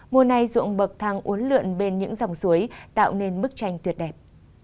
mùa này ruộng bậc thang uốn lượn bên những dòng suối tạo nên bức tranh tuyệt đẹp